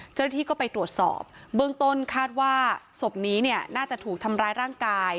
เจ้าหน้าที่ก็ไปตรวจสอบเบื้องต้นคาดว่าศพนี้เนี่ยน่าจะถูกทำร้ายร่างกาย